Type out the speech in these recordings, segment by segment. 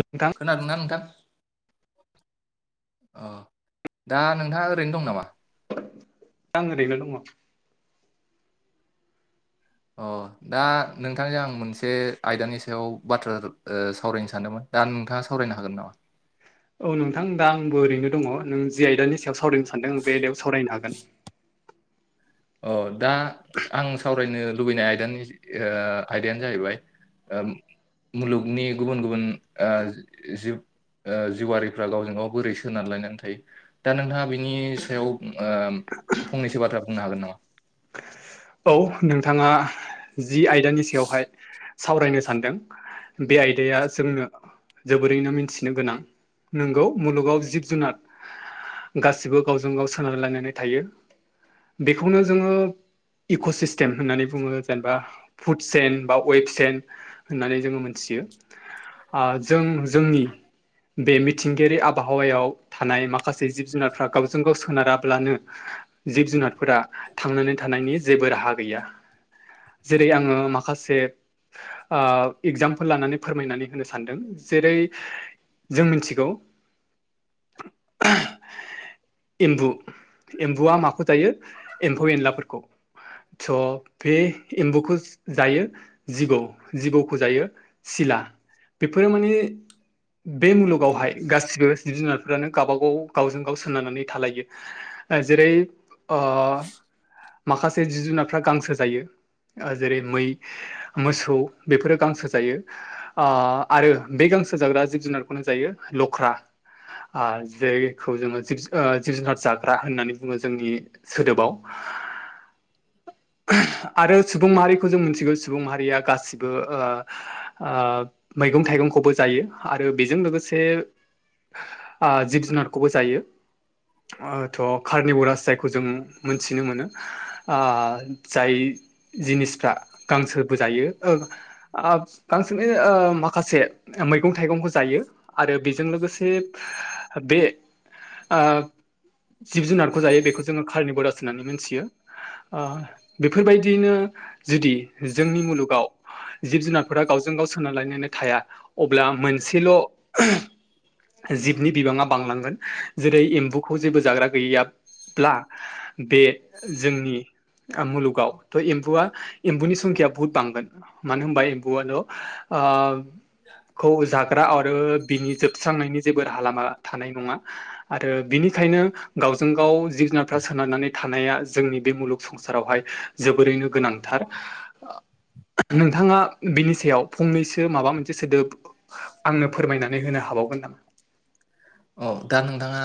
नोंथां खोनादोंना नोंथां अ दा नोंथाङा ओरैनो दं नामा आं ओरैनो' दङ अ दा नोंथांजों आं मोनसे आयदानि सायाव बाथ्रा सावरायनो सानदोंमोन दा नोंथाङा सावरायनो हागोन नामा? औ नोंथां दा आंबो ओरैनो दङ नों जि आयदानि सायाव सावरायनो सानदों बे आयदायाव सावरायनो हागोन अ दा आं सावरायनो लुबैनाय आयदानि आयदायानो जाहैबाय मुलुगनि गुबुन गुबुन जिब जिउवारिफ्रा गावजों गाव बोरै सोनार लायनानै थायो दा नोंथाङा बिनि सायाव फंनैसो बाथ्रा बुंनो हागोन नामा? औ नोंथाङा जि आयदानि सायावहाय सावरायनो सानदों बे आयदाया जोंनो जोबोरैनो मिथिनो गोनां नोंगौ मुलुगाव जिब जुनार गासिबो गावजों गाव सोनारलायनानै थायो बेखौनो जोङो इक' सिस्टेम होननानै बुङो जेनेबा फुड सेेन बा वेब सेन होननानै जोङो मोनथियो जों जोंनि बे मिथिंगायारि आबहावायाव थानाय माखासे जिब जुनारफ्रा गावजों गाव सोनाराब्लानो जिब जुनारफोरा थांनानै थानायनि जेबो राहा गैया जेरै आङो माखासे एगजामपोल लानानै फोरमायनानै होनो सानदों जेरै जों मिथिगौ [inaudible] एम्बु एम्बुआ माखौ जायो एम्फौ एनलाफोरखौ स' बे एम्बुखौ जायो जिबौ जिबौखौ जायो सिला बेफोरो माने बे मुलुगावहाय गासिबो जिब जुनारफोरानो गावबा गाव गावजों गाव सोनारनानै थालायो जेरै ओ माखासे जिब जुनारफ्रा गांसो जायो जेरै मै मोसौ बेफोरो गांसो जायो आरो बे गांसो जाग्रा जिब जुनारखौनो जायो लख्रा जायखौ जोङो जिब जुनार जाग्रा होननानै बुङो जोंनि सोदोबाव आरो सुबुं माहारिखौ जों मिथिगौ सुबुं माहारिया गासिबो ओ मैगं थाइगंखौबो जायो आरो बेजों लोगोसे जिब जुनारखौबो जायो थ' कार्निवरास जायखौ जों मोनथिनो मोनो। जाय जिनिसफ्रा गांसोबो जायो। बांसिनै माखासे मैगं थाइगंखौ जायो। आरो बेजों लोगोसे बे। जिब जुनारखौ जायो बेखौ जोङो खारनि बररास होननानै मिथियो। बेफोरबायदियैनो जुदि जोंनि मुलुगाव जिब जुनारफोरा गावजों गाव सोनारलायनानै थाया अब्ला मोनसेल'। जिबनि बिबाङा बांलांगोन जेरै एम्बुखौ जेबो जाग्रा गैयाब्ला बे जोंनि मुलुगाव थह एम्बुआ एम्बुनि संखयााया बुहुत बांगोन मानो होनबा एम्बुआल' खौ ज हाग्रा आरो बिनि जोबस्रांनायनि जेबो राहा लामा थानाय नङा। आरो बिनिखायनो गावजों गाव जिब जुनारफ्रा सोनारनानै थानाया जोंनि बे मुलुग संसार। सारावहाय जोबोरैनो गोनांथार नोंथाङा बिनि सायाव फंनैसो माबा मोनसे सोदोब। आंनो फोरमायनानै होनो हाबावगोन नामा? औ दा नोंथाङा।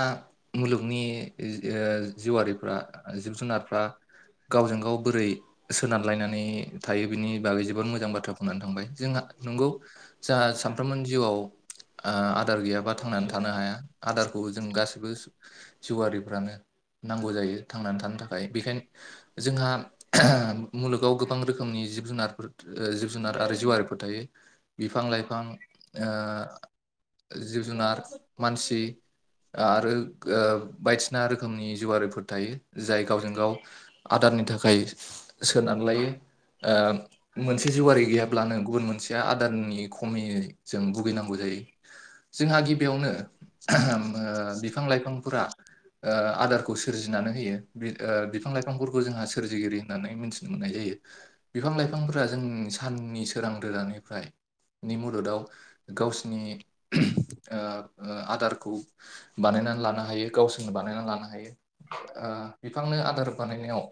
मुलुगनि ओ जिउआरिफ्रा जिउ जुनारफ्रा गावजों गाव बोरै सोनारलायनानै थायो बिनि बागै जोबोद मोजां बाथ्रा बुंनानै थांबाय जोंहा नंगौ। जाहा सानफ्रोमबो जिउआव ओ आदार गैयाबा थांनानै था थानो हाया आदारखौ जों गासिबो। जिउआिफ्रानो नांगौ जायो थांनानै थानो थाखाय बेखाय जोंहा। मुलुगाव गोबां रोखोमनि जिब जुनारफोर जिब जुनार आरो जिउआारिफोर थायो। बिफां लाइफां जिब जुनार मानसि आरो बायदिसिना रोखोमनि जुवारिफोर थायो जाय गावजों गाव आदारनि थाखाय सोनार लायो। मोनसे जेवारि गैयाब्लानो गुबुन मोनसेया आदारनि खमि जजों भुगिनांगौ जायो। जोंहा गिबियावनो बिफां-लाइफांफोरा ओ आदारखौ सोरजिनानै होयो बिफां लाइफांफोरखौ जोंहा सोरजिगिरि होननानै मिथिनो मोननाय जायो। बिफां लाइफांफोरा जों साननि सोरां रोदानिफ्राय नि मददाव गावसिनि ओ आदारखौ। बानायनानै लानो हायो गावसोरनो बानायनानै लानो हायो ओ बिफांनो आदार बानायनायाव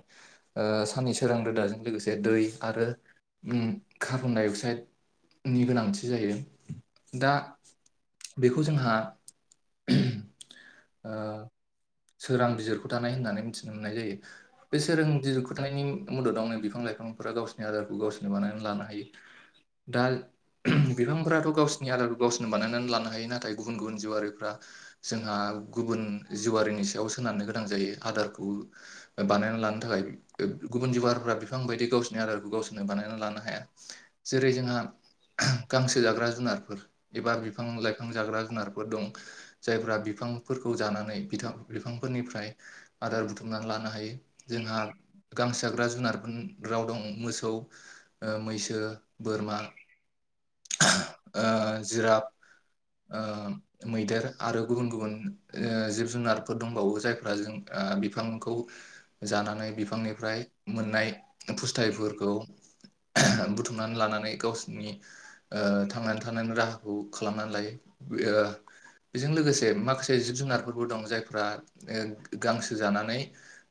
ओ साननि सोरां रोदाजों लोगोसे दै आरो कार्बनडाइ अक्साइड नि गोनांथि जायो दा बेखौ जोंहा [unintelligible] ओ सोरां बिजिरखौ थानाय होननानै मिथिनो मोननाय जायो। बे सोरां बिजिरख'नि मददावनो बिफां लाइफांफोरा गावसिनि आदारखौ गावसोरनो बानायानानै लानो हायो। दा बिफांफोराथ' गावसिनि आदारखौ गावसोरनो बानायनानै लानो हायो नाथाय। गुबुन गुबुन जिउआारिफ्रा जोंहा गुबुन जिवारिनि सायाव सोनारनो गोनां जायो आदारखौ बानायना लानो थाखाय। गुबुन जुुनारफोरा बिफां बायदि गावसोरनि आदारखौ गावसोरनो बानायना लानो हाया जेरै जोंहा गांसो जाग्रा जुनारफोर एबा बिफां लाइफां जाग्रा जुनारफोर दं। जायफ्रा बिफांफोरखौ जानानै बिफांफोरनिफ्राय आदार बुथुमनानै लानो हायो जोंहा गांसो जाग्रा जुनारफोर राव दं मोसौ। ओ मैसो बोरमा ओ जिराफ ओ मैदेर आरो गुबुन गुबुन ओ जिब जुनारफोर दंबावो जायफ्रा जों ओ बिफांखौ। जानानै बिफांनिफ्राय मोननाय फुस्थायुफोरखौ बुथुमनानै लानानै गावसिनि ओ थांनानै थानायनि राहाखौ खालामनानै लायो ओ बेजों लोगोसे माखासे जिब जुनारफोरबो दं जायफ्रा ओ गांसो जानानै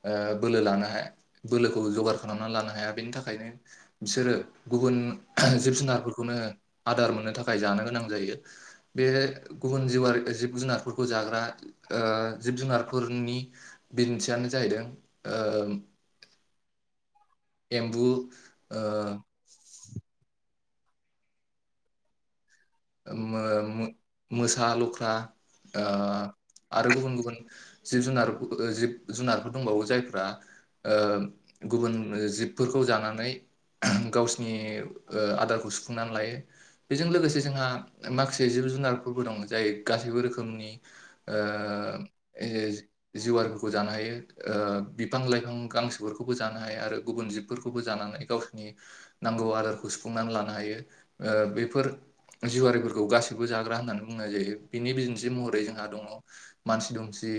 ओ बोलो लानो हाया बोलोखौ जगार खालामनानै लानो हाया बेनि थाखायनो बिसोरो गुबुन जिब जुनारफोरखौनो आदार मोननो थाखाय जानो गोनां जायो बे गुबुन जिउआरि जिब जुनारफोरखौ खौ जाग्रा ओ जिब जुनारफोरनि बिन्थियानो जाहैदों ओ एम्बु ओ मो-मोसा लख्रा ओ आरो गुबुन गुबुन जिब जुनार जिब जुनारफोर दंबावो जायफ्रा ओ गुबुन जिबफोरखौ जानानै गावसिनि ओ आदारखौ सुफुंनानै लायो बेजों लोगोसे जोंहा माखासे जिब जुनारफोरबो दं जाय गासैबो रोखोमनि ओ ए जिवारिफोरखौ जानो हायो ओ बिफां लाइफां गांसोफोरखौबो जानो हायो आरो गुबुन जिबफोरखौबो जानानै गावसोरनि नांगौ आदारखौ सुफुंनानै लानो हायो ओ बेफोर जिवारिफोरखौ गासैबो जाग्रा होननानै बुंनाय जायो बिनि बिदिन्थि महरै जोंहा दङ मानसि दुमसि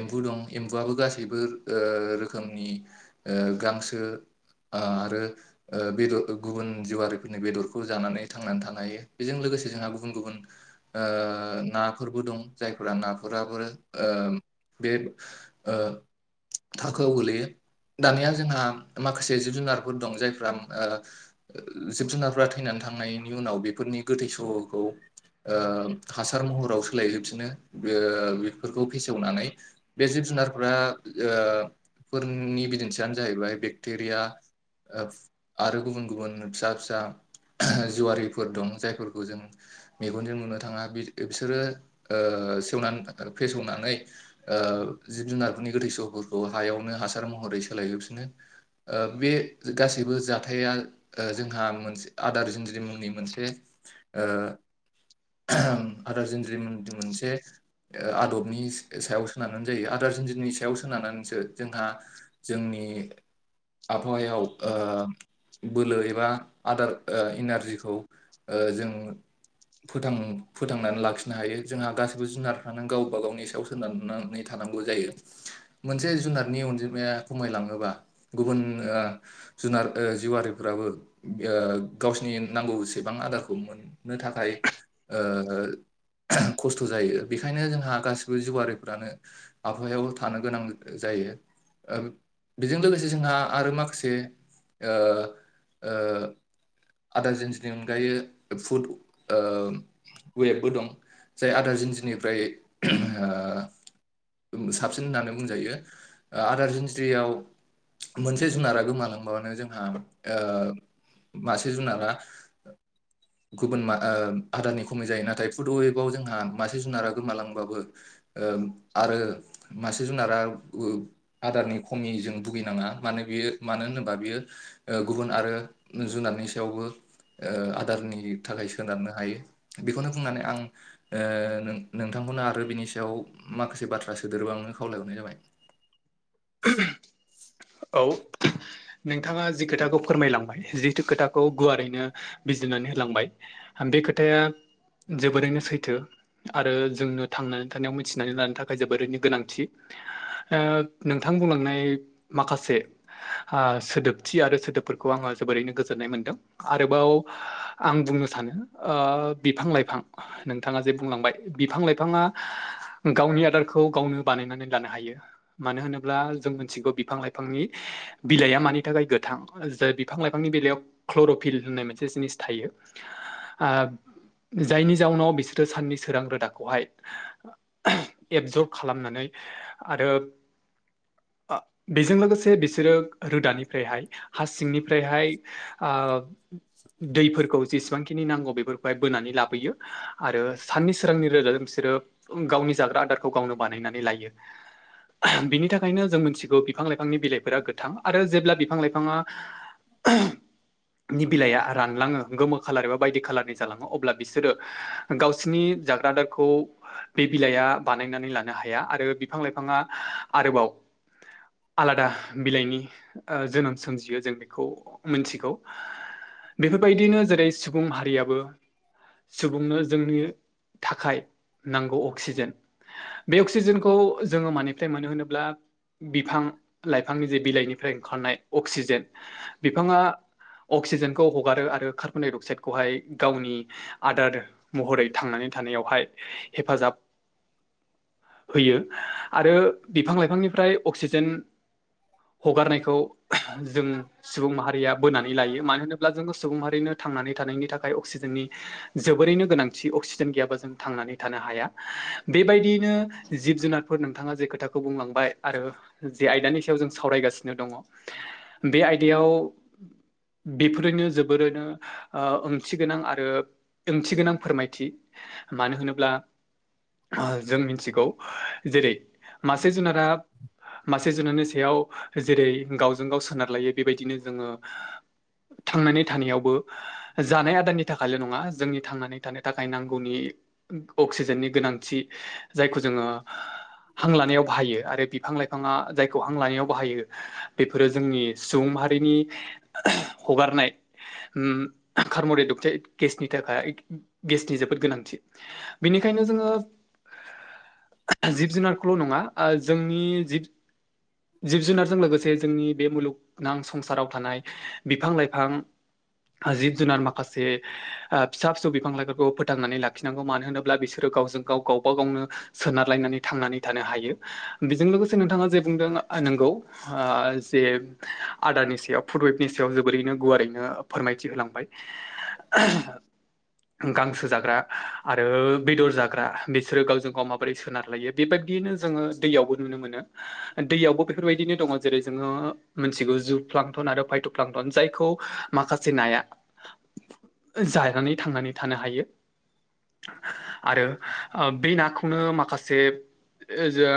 एम्बु दं एम्बुआबो गासैबो ओ रोखोमनि ओ गांसो ओ आरो ओ बेदर गुबुन जिवारिफोरनि बेदरखौ जानानै थांनानै थानो हायो बेजों लोगोसे जोंहा गुबुन गुबुन ओ नाफोरबो दं जायफोरा नाफोराबो ओ बे ओ थाखोआव गोलैयो दानिया जोंहा माखासे जिब जुनारफोर दं जायफ्रा ओ जिब जुनारफोरा थैनानै थांनायनि उनाव बेफोरनि गोथै सह'खौ ओ हासार महराव सोलायजोबफिनो ओ बेफोरखौ फेसेवनानै बे जिब जुनारफोरा ओ फोरनि बिदिन्थियानो जाहैबाय बेक्टेरिया ओ आरो गुबुन गुबुन फिसा फिसा जुवारिफोर दं जाय फोरखौ जों मेगनजों लुनो थाङा बिसोरो ओ सेवनानै फेसवनानै ओ जिब जुनारफोरनि गोथै सहफोरखौ हायावनो हासार महरै सोलायहफिनो बे गासैबो जाथाया ओ जोंहा मोनसे आदार जुनजनि मुंनि मोनसे ओ आदारनज्रि मोनसे आदबनि सायाव सोनारनानै जायो आदार जिन्जनि सायाव सोनारनानैसो जोंहा जोंनि आबहावायाव ओ बोलो एबा आदार ओ इनारजिखौ जों फथां फोथांनानै लाखिनो हायो जोंहा गासिबो जुनारफ्रानो गावबा गावनि सायाव खोननानै थानांगौ जायो मोनसे जुनारनि अनजिमाया खमायलाङोबा गुबुन जुनार जिउआारिफोराबो ओ गावसिनि नांगौसे गोबां आदारखौ मोननो थाखाय ओ खस्थ' जायो बेखायनो जोंहा गासिबो जिउआरिफ्रानो आबहावायाव थानो गोनां जायो बेजों लोगोसे जोंहा आरो माखासे ओ ओ आदार जिन्जि बेनि अनगायै फुड ओ वेबबो दं जाय आदार जिन्जिनिफ्राय ओ साबसिन होननानै बुंजायो आदार जिन्ज्रियाव मोनसे जुनारा गोमालांबानो जोंहा मासे जुनारा गुबुन आदारनि खमै जायो नाथाय फुड अवेबाव जोंहा मासे जुनारा गोमालांबाबो आरो मासे जुनारा आदारनि खमि जों भुगिनाङा मानो बियो मानो होनोबा बियो गुबुन आरो जुनारनि सायावबो आदारनि थाखाय सोनारनो हायो बेखौनो बुंनानै आं नोंथांखौनो आरो बिनि सायाव माखासे बाथ्रा सोदेरोबा नोो खावलायहरनाय जाबाय [unintelligible] औ नोंथाङा जि खोथाखौ फोरमायलांबाय जिथु खोथाखौ गुवारैनो बिजिरनानै होलांबाय बे खोथाया जोबोरैनो सैथो आरो जोंनो थांनानै थानायाव मिथिनानै लानो थाखाय जोबोरैनो गोनांथि नोंथां बुंलांनाय माखासे सोदोबथि आरो सोदोबफोरखौ आङो जोबोरैनो गोजोननाय मोनदों आरोबाव आं बुंनो सानो बिफां लाइफां नोंथाङा जे बुंलांबाय बिफां लाइफाङा गावनि आदारखौ गावनो बानायनानै लानो हायो मानो होनोब्ला जों मोनथिगौ बिफां लाइफांनि बिलाइआ मानि थाखाय गोथां ज बिफां लाइफांनि बिलइायाव क्लर'फिल होननाय मोनसे जिनिस थायो जायनि जाउनाव बिसोरो साननि सोरां रोदाखौहाय एबजर्ब खालामनानै आरो बेजों लोगोसे बिसोरो रोदानिफ्रायहाय हा सिंनिफ्रायहाय दैफोरखौ जेसेबांखिनि नांगौ बेफोरखौहाय बोनानै लाबोयो आरो साननि सोरांनि रोजजोंों बिसोरो गावनि जाग्रा आदारखौ गावनो बानायनानै लायो बिनि थाखायनो जों मिथिगौ बिफां लाइफांनि बिलाइफोरा गोथां आरो जेब्ला बिफां लाइफाङा [inaudible] नि बिलाइया रानलाङो गोमो खालार एबा बायदि खालारनि जालाङो अब्ला बिसोरो गावसिनि जाग्रा आदारखौ बे बिलाइआ बानायनानै लानो हाया आरो बिफां लाइफाङा आरोबाव आलादा बिलाइनि जोनोम सोमजियो जों बेखौ मोनथि बेफोरबायदिनो जेरै सुबुं हारियाबो सुबुंनो जोंनि थाखाय नांगौ अक्सिजेन बे अक्सिजेनखौ जोङो माने फ्राय मानो होनोब्ला बिफां लाइफांनि जे बिलाइनिफ्राय ओंखारनाय अक्सिजेन बिफाङा अक्सिजेनखौ हगारो आरो कार्बन डाइ अक्साइड खौहाय गावनि आदार महरै थांनानै थानायावहाय हेफाजाब होयो आरो बिफां लाइफांनिफ्राय अक्सिजेन हगारनायखौ जों सुबुं माहारिया बोनानै लायो मानो होनोब्ला जोङो सुबुं मारिनो थांनानै थानायनि थाखाय अक्सिजेननि जोबोरैनो गोनांथि अक्सिजेन गैयाबा जों थांनानै थानो हाया बेबायदियैनो जिब जुनार फोर नोंथाङा जे खोथाखौ बुंलांबाय आरो जे आयदानि सायाव जों सावरायगासिनो दङ बे आयदायाव बेफोरनो जोबोरैनो ओंथि गोनां आरो ओंथि गोनां फोरमायथि मानो होनोब्ला जों मिथिगौ जेरै मासे जुनारा मा सासे जुनारनि सायाव जेरै गावजों गाव सोनार लायो बेबायदिनो जोङो थांनानै थानायावबो जानाय आदारनि थाखायल' नङा जोंनि थांनानै थानो थाखाय नांगौनि अक्सिजेननि गोनांथि जायखौ जोङो हां लानायाव बाहायो आरो बिफां लाइफाङा जायखौ हां लानायाव बाहायो बेफोरो जोंनि सुबुं माहारिनि हगारनाय उम कारमरे डक्टाइट गेसनि थाखाय गेसनि जोबोद गोनांथि। बिनिखायनो जोङो जिब जुनारखौल' नङा ओ जोंनि जि जिब जुनारजों लोगोसे जोंनि बे मुलुगनां संसाराव थानाय बिफां लाइफां जिब जुनार माखासे ओ फिसा फिसौ बिफां लाइफोरखौ फोथांनानै लाखिनांगौ मानो होनोब्ला बिसोरो गावजों गाव गावबा गावनो सोनारलायनानै थांनानै थानो हायो। बिजों लोगोसे नोंथाङा जे बुंदों नोंगौ आ जे आदानि सायाव फुट वेफनि सायाव जोबोरैनो गुवारैनो फोरमायथि होलांबाय। गांसो जाग्रा आरो बेदर जाग्रा बिसोरो गावजों गाव माब बोरै सोनारलायो बेबादियैनो जोङो दैयावबो नुनो मोनो। दैयावबो बेफोरबायदिनो दङ जेरै जोङो मोनथिगौ जुग फ्लांथन आरो फायथ' फ्लांथन जायखौ माखासे नाया [inaudible] जानानै थांनानै थानो हायो। आरो ओ बि नाखौनो माखासे ओजा